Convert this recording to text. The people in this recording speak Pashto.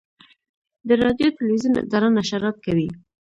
د راډیو تلویزیون اداره نشرات کوي